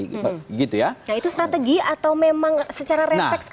nah itu strategi atau memang secara rentex